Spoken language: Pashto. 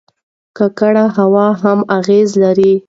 ککړه هوا هم اغېز لري.